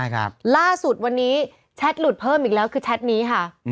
ใช่ครับล่าสุดวันนี้แชทหลุดเพิ่มอีกแล้วคือแชทนี้ค่ะ